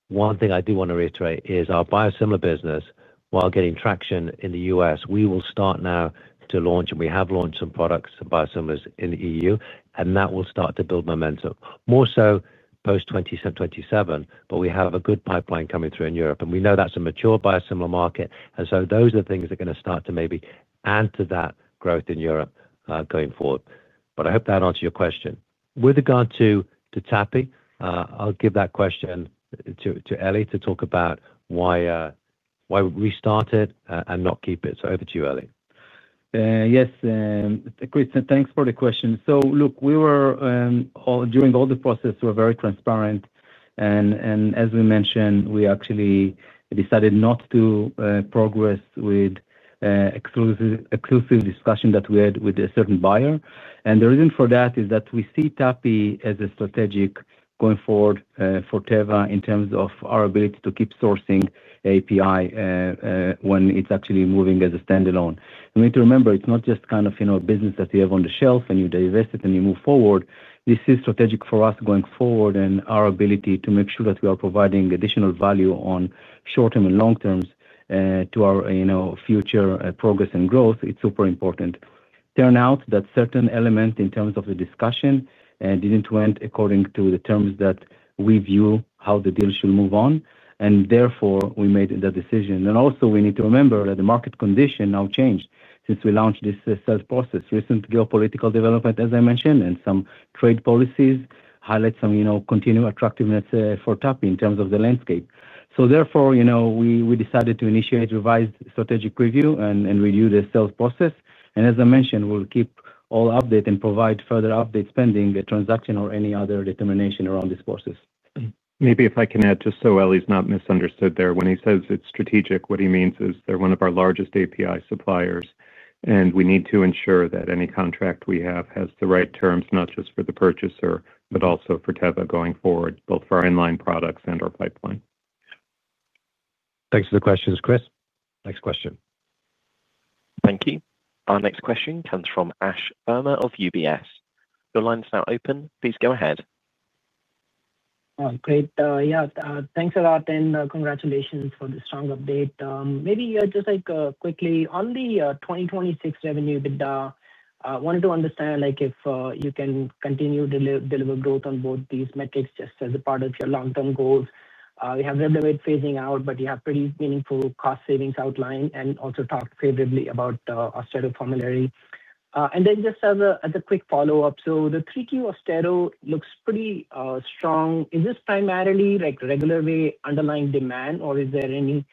C: one thing I do want to reiterate is our biosimilar business, while getting traction in the U.S. we will start now to launch, and we have launched some products, some Biosimilars in the EU, and that will start to build momentum. More so post-2027, but we have a good pipeline coming through in Europe. We know that's a mature biosimilar market. Those are things that are going to start to maybe add to that growth in Europe going forward. I hope that answers your question. With regard to TAPI, I'll give that question to Eli to talk about why we started and not keep it. Over to you, Eli.
E: Yes, Chris, thanks for the question. Look, we, during all the process, were very transparent. As we mentioned, we actually decided not to progress with exclusive discussion that we had with a certain buyer. The reason for that is that we see TAPI as strategic going forward for Teva in terms of our ability to keep sourcing API. When it is actually moving as a standalone, we need to remember, it is not just kind of a business that you have on the shelf and you divest it and you move forward. This is strategic for us going forward and our ability to make sure that we are providing additional value on short-term and long-term to our future progress and growth. It is super important. Turned out that certain elements in terms of the discussion did not go according to the terms that we view how the deal should move on. Therefore, we made the decision. Also, we need to remember that the market condition now changed since we launched this sales process. Recent geopolitical development, as I mentioned, and some trade policies highlight some continued attractiveness for TAPI in terms of the landscape. Therefore, we decided to initiate revised strategic review and review the sales process. As I mentioned, we'll keep all updates and provide further updates pending a transaction or any other determination around this process.
B: Maybe if I can add just so Eli's not misunderstood there, when he says it's strategic, what he means is they're one of our largest API suppliers. We need to ensure that any contract we have has the right terms, not just for the purchaser, but also for Teva going forward, both for our inline products and our pipeline.
C: Thanks for the questions, Chris. Next question.
A: Thank you.
K: Great. Yeah. Thanks a lot. And congratulations for the strong update. Maybe just quickly, on the 2026 revenue, I wanted to understand if you can continue to deliver growth on both these metrics just as a part of your long-term goals. We have a little bit phasing out, but you have pretty meaningful cost savings outline and also talked favorably about Austedo formulary. And then just as a quick follow-up, so the 3Q Austedo looks pretty strong. Is this primarily regular way underlying demand, or is there any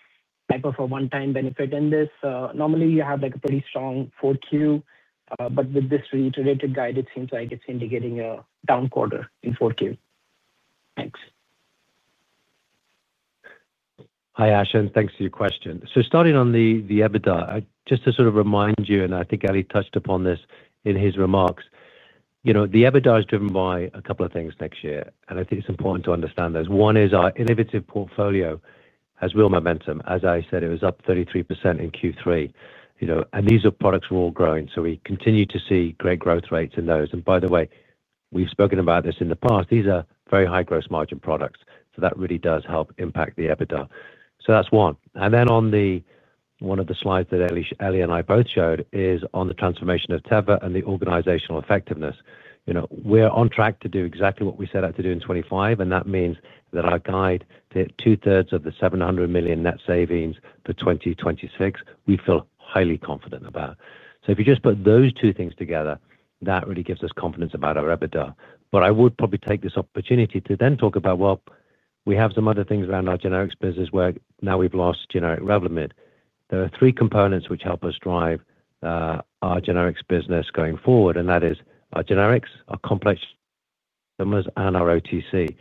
K: type of a one-time benefit in this? Normally, you have a pretty strong 4Q, but with this reiterated guide, it seems like it's indicating a down quarter in 4Q. Thanks.
C: Hi, Ash. And thanks for your question, starting on the EBITDA, just to sort of remind you, and I think Eli touched upon this in his remarks, the EBITDA is driven by a couple of things next year. I think it's important to understand those. One is our innovative portfolio has real momentum. As I said, it was up 33% in Q3. These products were all growing. We continue to see great growth rates in those. By the way, we've spoken about this in the past. These are very high gross margin products. That really does help impact the EBITDA. That's one. On one of the slides that Eli and I both showed is on the transformation of Teva and the organizational effectiveness. We're on track to do exactly what we set out to do in 2025. That means that our guide to hit two-thirds of the $700 million net savings for 2026, we feel highly confident about. If you just put those two things together, that really gives us confidence about our EBITDA. I would probably take this opportunity to then talk about, we have some other things around our generics business where now we've lost generic Revlimid. There are three components which help us drive our generics business going forward. That is our generics, our complex generics, and our OTC.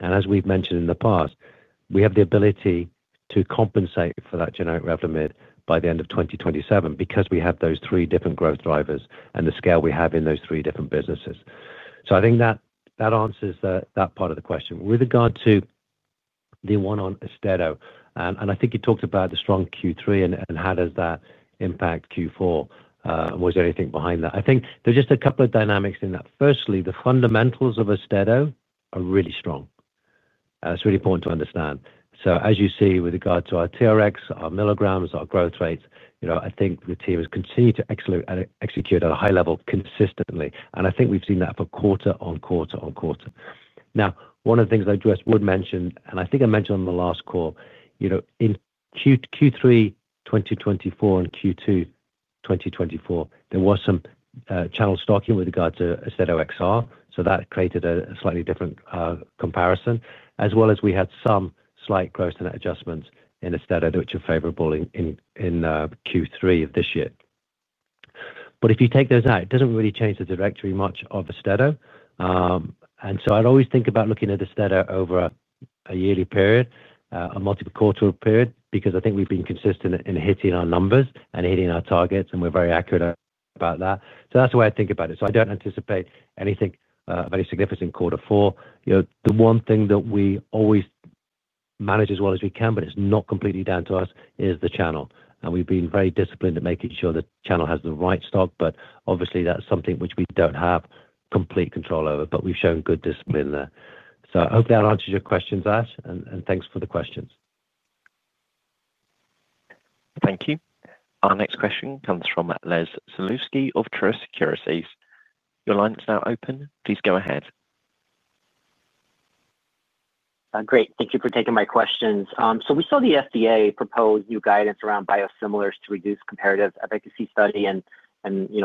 C: As we've mentioned in the past, we have the ability to compensate for that generic Revlimid by the end of 2027 because we have those three different growth drivers and the scale we have in those three different businesses. I think that answers that part of the question. With regard to. The one on Austedo, and I think you talked about the strong Q3 and how does that impact Q4. Was there anything behind that? I think there's just a couple of dynamics in that. Firstly, the fundamentals of Austedo are really strong. It's really important to understand. As you see, with regard to our TRx, our milligrams, our growth rates, I think the team has continued to execute at a high level consistently. I think we've seen that for quarter on quarter on quarter. One of the things I just would mention, and I think I mentioned on the last call. In Q3 2024 and Q2 2024, there was some channel stocking with regard to Austedo XR. That created a slightly different comparison, as well as we had some slight growth and adjustments in Austedo, which are favorable in Q3 of this year. If you take those out, it doesn't really change the trajectory much of Austedo. I'd always think about looking at Austedo over a yearly period, a multi-quarter period, because I think we've been consistent in hitting our numbers and hitting our targets, and we're very accurate about that. That's the way I think about it. I don't anticipate anything of any significance in quarter four. The one thing that we always manage as well as we can, but it's not completely down to us, is the channel. We've been very disciplined at making sure the channel has the right stock. Obviously, that's something which we don't have complete control over, but we've shown good discipline there. I hope that answers your questions, Ash. Thanks for the questions.
A: Thank you. Our next question comes from Les Sulewski of Truist Securities. Your line is now open. Please go ahead. Great. Thank you for taking my questions. We saw the FDA propose new guidance around Biosimilars to reduce comparative efficacy study and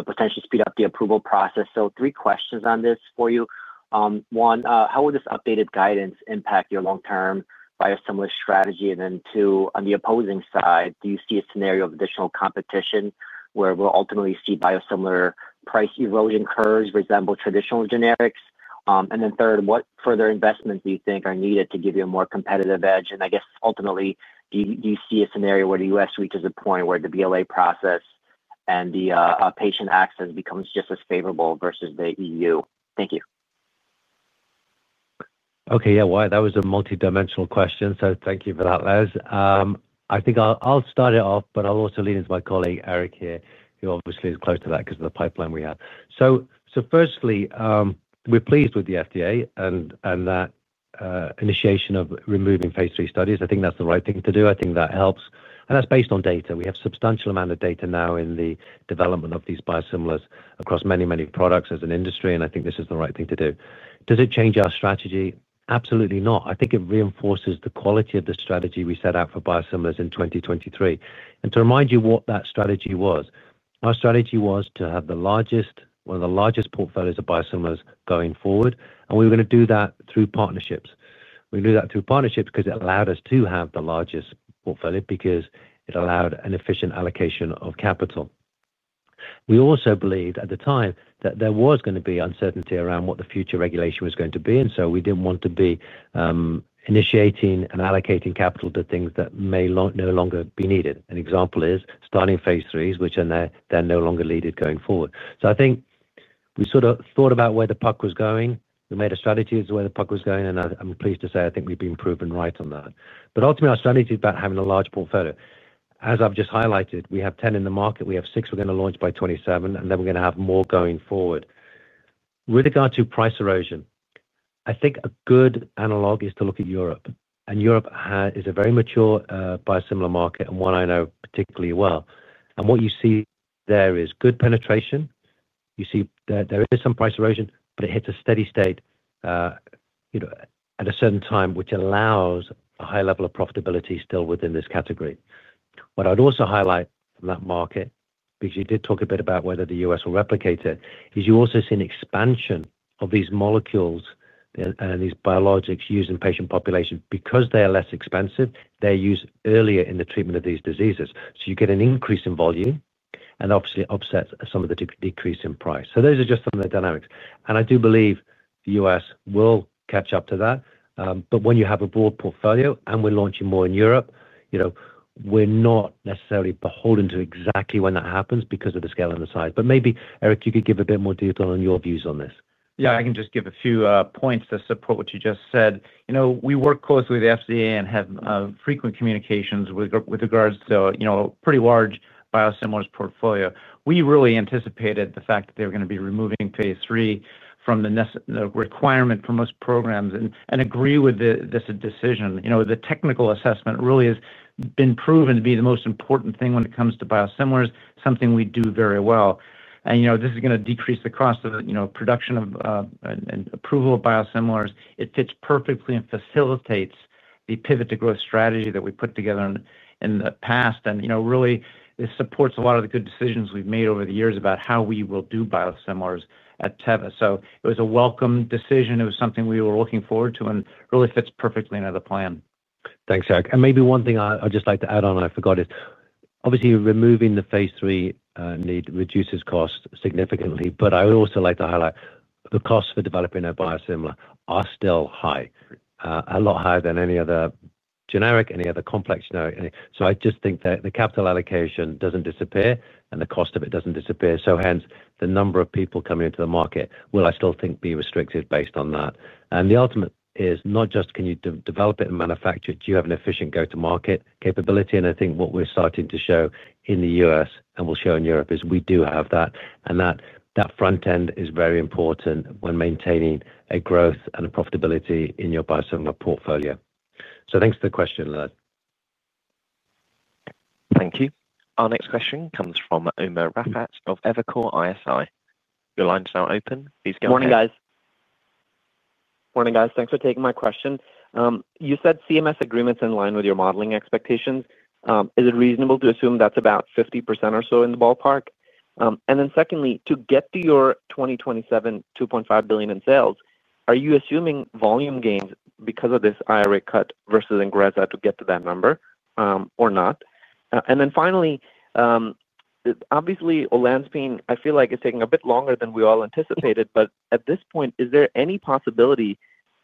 A: potentially speed up the approval process. Three questions on this for you. One, how will this updated guidance impact your long-term biosimilar strategy? Two, on the opposing side, do you see a scenario of additional competition where we'll ultimately see biosimilar price erosion curves resemble traditional generics? Third, what further investments do you think are needed to give you a more competitive edge? I guess, ultimately, do you see a scenario where the U.S. reaches a point where the BLA process and the patient access becomes just as favorable versus the EU? Thank you.
C: Okay. Yeah. That was a multidimensional question. Thank you for that, Les. I think I'll start it off, but I'll also lean into my colleague, Eric, here, who obviously is close to that because of the pipeline we have. Firstly, we're pleased with the FDA and that initiation of removing Phase III studies. I think that's the right thing to do. I think that helps. That's based on data. We have a substantial amount of data now in the development of these Biosimilars across many, many products as an industry. I think this is the right thing to do. Does it change our strategy? Absolutely not. I think it reinforces the quality of the strategy we set out for Biosimilars in 2023. To remind you what that strategy was, our strategy was to have one of the largest portfolios of Biosimilars going forward. We were going to do that through partnerships. We knew that through partnerships because it allowed us to have the largest portfolio because it allowed an efficient allocation of capital. We also believed at the time that there was going to be uncertainty around what the future regulation was going to be. We did not want to be initiating and allocating capital to things that may no longer be needed. An example is starting Phase IIIs, which are then no longer needed going forward. I think we sort of thought about where the puck was going. We made a strategy as to where the puck was going. I'm pleased to say I think we've been proven right on that. Ultimately, our strategy is about having a large portfolio. As I've just highlighted, we have 10 in the market. We have six we're going to launch by 2027, and then we're going to have more going forward. With regard to price erosion, I think a good analog is to look at Europe. Europe is a very mature biosimilar market and one I know particularly well. What you see there is good penetration. You see that there is some price erosion, but it hits a steady state at a certain time, which allows a high level of profitability still within this category. What I'd also highlight from that market, because you did talk a bit about whether the U.S. will replicate it, is you also see an expansion of these molecules and these biologics used in patient populations. Because they are less expensive, they're used earlier in the treatment of these diseases. You get an increase in volume and obviously offset some of the decrease in price. Those are just some of the dynamics. I do believe the U.S. will catch up to that. When you have a broad portfolio and we are launching more in Europe, we are not necessarily beholden to exactly when that happens because of the scale and the size. Maybe, Eric, you could give a bit more detail on your views on this.
D: Yeah. I can just give a few points to support what you just said. We work closely with the FDA and have frequent communications with regards to a pretty large Biosimilars portfolio. We really anticipated the fact that they were going to be removing Phase III from the requirement for most programs and agree with this decision. The technical assessment really has been proven to be the most important thing when it comes to Biosimilars, something we do very well. This is going to decrease the cost of production and approval of Biosimilars. It fits perfectly and facilitates the pivot to growth strategy that we put together in the past. It really supports a lot of the good decisions we have made over the years about how we will do Biosimilars at Teva. It was a welcome decision. It was something we were looking forward to and really fits perfectly into the plan.
C: Thanks, Eric. One thing I would just like to add on, and I forgot, is obviously removing the Phase III need reduces costs significantly. I would also like to highlight the costs for developing a biosimilar are still high, a lot higher than any other generic, any other complex generic. I just think that the capital allocation does not disappear and the cost of it does not disappear. Hence, the number of people coming into the market will, I still think, be restricted based on that. The ultimate is not just can you develop it and manufacture it, do you have an efficient go-to-market capability? I think what we're starting to show in the U.S. and we'll show in Europe is we do have that. That front end is very important when maintaining growth and profitability in your biosimilar portfolio. Thanks for the question, Les.
A: Thank you. Our next question comes from Umer Raffat of Evercore ISI. Your line is now open. Please go ahead.
L: Morning, guys. Thanks for taking my question. You said CMS agreements in line with your modeling expectations. Is it reasonable to assume that's about 50% or so in the ballpark? Then secondly, to get to your 2027 $2.5 billion in sales, are you assuming volume gains because of this IRA cut versus Ingrezza to get to that number or not? Then finally, obviously, Olanzapine, I feel like, is taking a bit longer than we all anticipated. At this point, is there any possibility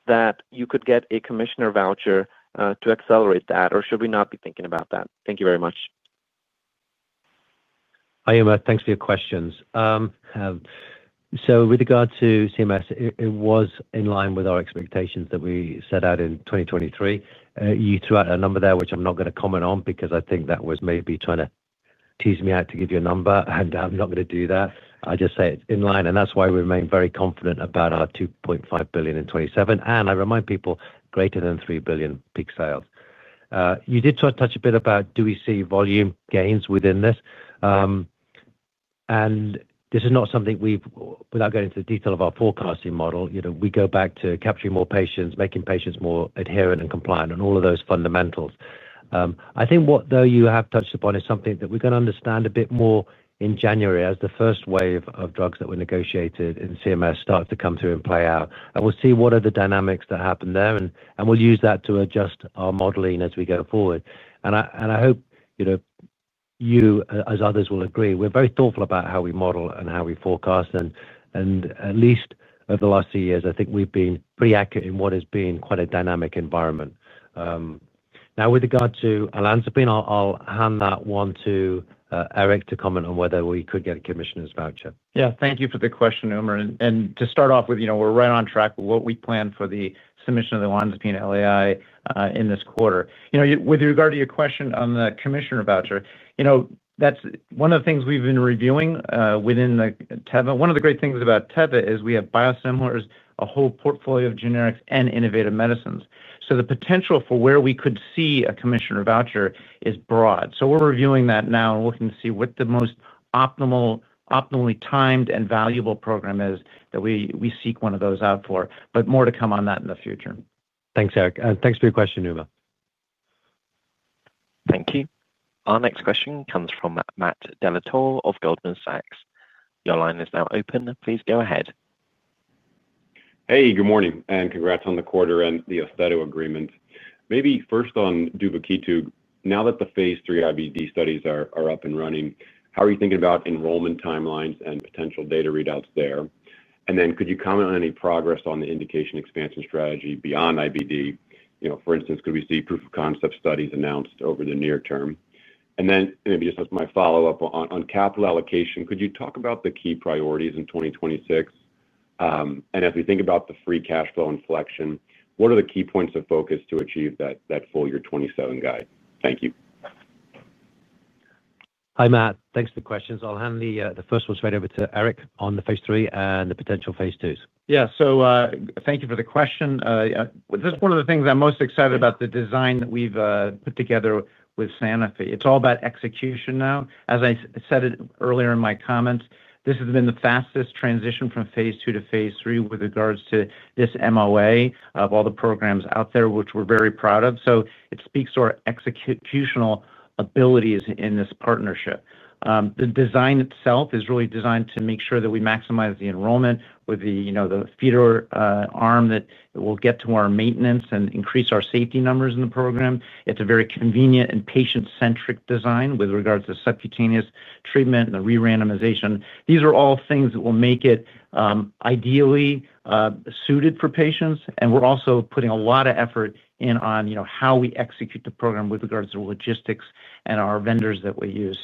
L: that you could get a commissioner voucher to accelerate that, or should we not be thinking about that? Thank you very much.
C: Hi, Umer, Thanks for your questions. With regard to CMS, it was in line with our expectations that we set out in 2023. You threw out a number there, which I'm not going to comment on because I think that was maybe trying to tease me out to give you a number, and I'm not going to do that. I just say it's in line. That is why we remain very confident about our $2.5 billion in 2027. I remind people, greater than $3 billion peak sales. You did touch a bit about, do we see volume gains within this? This is not something we, without going into the detail of our forecasting model, we go back to capturing more patients, making patients more adherent and compliant, and all of those fundamentals. I think what, though, you have touched upon is something that we are going to understand a bit more in January as the first wave of drugs that were negotiated in CMS starts to come through and play out. We will see what are the dynamics that happen there. We will use that to adjust our modeling as we go forward. I hope you, as others, will agree. We are very thoughtful about how we model and how we forecast. At least over the last two years, I think we've been pretty accurate in what has been quite a dynamic environment. Now, with regard to Olanzapine, I'll hand that one to Eric to comment on whether we could get a commissioner's voucher.
D: Yeah. Thank you for the question, Umer, To start off with, we're right on track with what we plan for the submission of the Olanzapine LAI in this quarter. With regard to your question on the commissioner voucher, that's one of the things we've been reviewing within Teva. One of the great things about Teva is we have Biosimilars, a whole portfolio of generics, and innovative medicines. The potential for where we could see a commissioner voucher is broad. We're reviewing that now and looking to see what the most optimally timed and valuable program is that we seek one of those out for. More to come on that in the future.
C: Thanks, Eric. Thanks for your question, Umer.
A: Thank you. Our next question comes from Matt Dellatorre of Goldman Sachs. Your line is now open. Please go ahead.
M: Hey, good morning. Congrats on the quarter and the Austedo agreement. Maybe first on DuvaKine, now that the Phase III IBD studies are up and running, how are you thinking about enrollment timelines and potential data readouts there? Could you comment on any progress on the indication expansion strategy beyond IBD? For instance, could we see proof of concept studies announced over the near term? Maybe just as my follow-up on capital allocation, could you talk about the key priorities in 2026? As we think about the free cash flow inflection, what are the key points of focus to achieve that full year 2027 guide? Thank you.
C: Hi, Matt. Thanks for the questions. I'll hand the first one straight over to Eric on the Phase III and the potential Phase II.
D: Yeah. Thank you for the question. This is one of the things I'm most excited about, the design that we've put together with Sanofi. It's all about execution now. As I said earlier in my comments, this has been the fastest transition from Phase II to Phase III with regards to this MOA of all the programs out there, which we're very proud of. It speaks to our executional abilities in this partnership. The design itself is really designed to make sure that we maximize the enrollment with the feeder arm that will get to our maintenance and increase our safety numbers in the program. It's a very convenient and patient-centric design with regards to subcutaneous treatment and the re-randomization. These are all things that will make it ideally suited for patients. We're also putting a lot of effort in on how we execute the program with regards to logistics and our vendors that we use.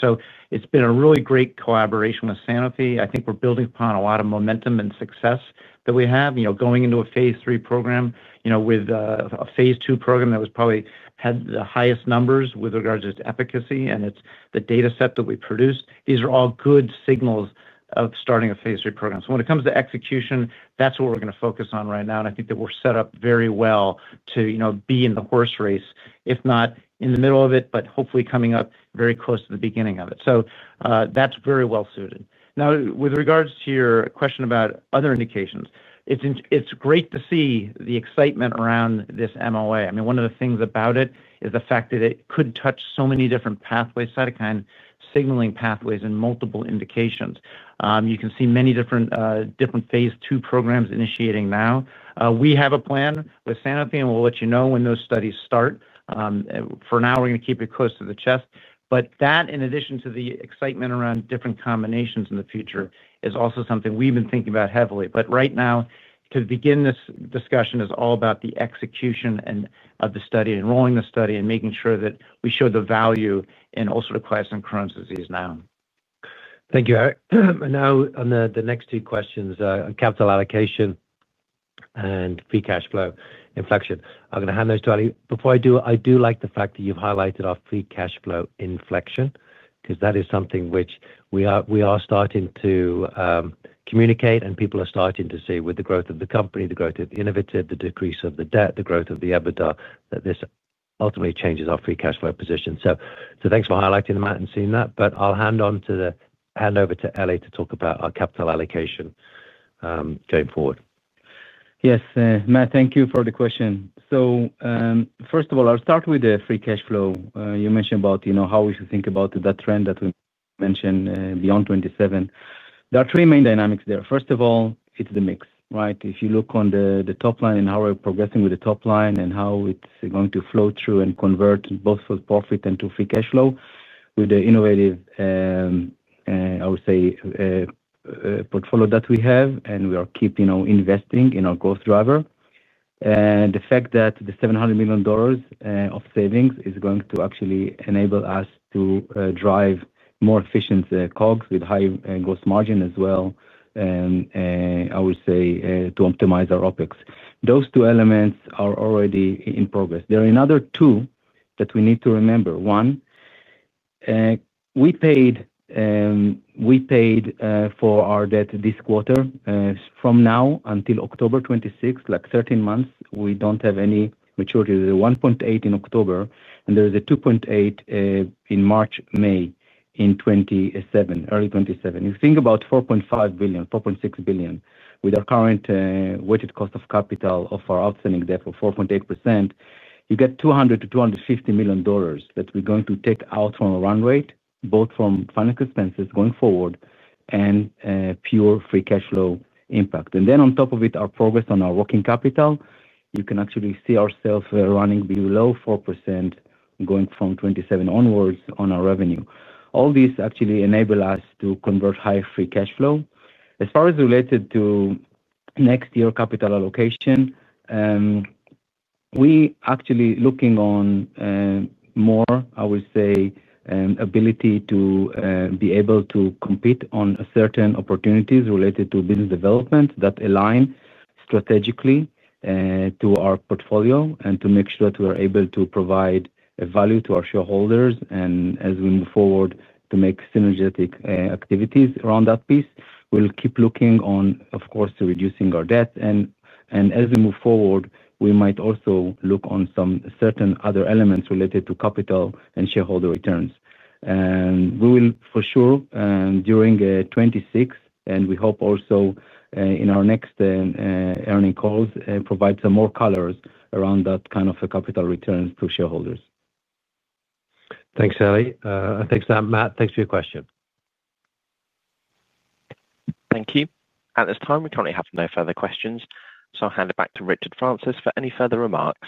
D: It's been a really great collaboration with Sanofi. I think we're building upon a lot of momentum and success that we have. Going into a Phase III program with a Phase II program that probably had the highest numbers with regards to efficacy and the dataset that we produced, these are all good signals of starting a Phase III program. When it comes to execution, that's what we're going to focus on right now. I think that we're set up very well to be in the horse race, if not in the middle of it, but hopefully coming up very close to the beginning of it. That's very well suited. Now, with regards to your question about other indications, it's great to see the excitement around this MOA. I mean, one of the things about it is the fact that it could touch so many different pathways, cytokine signaling pathways, and multiple indications. You can see many different Phase II programs initiating now. We have a plan with Sanofi, and we'll let you know when those studies start. For now, we're going to keep it close to the chest. That, in addition to the excitement around different combinations in the future, is also something we've been thinking about heavily. Right now, to begin this discussion, it is all about the execution of the study, enrolling the study, and making sure that we show the value in ulcerative colitis and Crohn's disease now.
C: Thank you, Eric. Now on the next two questions, capital allocation and free cash flow inflection. I'm going to hand those to Eli. Before I do, I do like the fact that you've highlighted our free cash flow inflection because that is something which we are starting to communicate and people are starting to see with the growth of the company, the growth of the innovative, the decrease of the debt, the growth of the EBITDA, that this ultimately changes our free cash flow position. Thanks for highlighting that and seeing that. I'll hand over to Eli to talk about our capital allocation. Going forward.
E: Yes, Matt, thank you for the question. First of all, I'll start with the free cash flow. You mentioned about how we should think about that trend that we mentioned beyond 2027. There are three main dynamics there. First of all, it's the mix, right? If you look on the top line and how we're progressing with the top line and how it's going to flow through and convert both for profit and to free cash flow with the innovative, I would say, portfolio that we have, and we are keeping investing in our growth driver. The fact that the $700 million of savings is going to actually enable us to drive more efficient COGS with high gross margin as well. I would say to optimize our OPEX. Those two elements are already in progress. There are another two that we need to remember. One. We paid for our debt this quarter. From now until October 26, like 13 months, we do not have any maturity. There is a $1.8 billion in October, and there is a $2.8 billion in March, May in 2027, early 2027. You think about $4.5 billion-$4.6 billion. With our current weighted cost of capital of our outstanding debt of 4.8%, you get $200 million-$250 million that we are going to take out from our run rate, both from financial expenses going forward and pure free cash flow impact. On top of it, our progress on our working capital, you can actually see ourselves running below 4% going from 2027 onwards on our revenue. All these actually enable us to convert high free cash flow. As far as related to next year capital allocation. We actually looking on. More, I would say. Ability to be able to compete on certain opportunities related to business development that align strategically to our portfolio and to make sure that we are able to provide value to our shareholders. As we move forward to make synergetic activities around that piece, we'll keep looking on, of course, reducing our debt. As we move forward, we might also look on some certain other elements related to capital and shareholder returns. We will, for sure, during 2026, and we hope also in our next earning calls, provide some more colors around that kind of capital returns to shareholders.
C: Thanks, Eli. Thanks, Matt. Thanks for your question.
A: Thank you. At this time, we currently have no further questions. I'll hand it back to Richard Francis for any further remarks.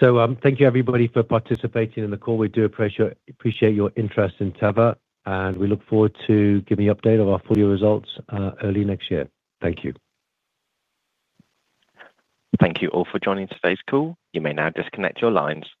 C: Thank you, everybody, for participating in the call. We do appreciate your interest in Teva, and we look forward to giving you an update of our full year results early next year. Thank you.
A: Thank you all for joining today's call. You may now disconnect your lines.